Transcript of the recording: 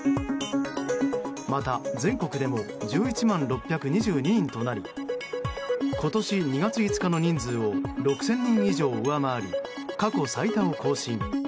また、全国でも１１万６２２人となり今年２月５日の人数を６０００人以上上回る過去最多を更新。